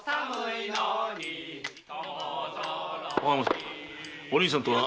お浜さん。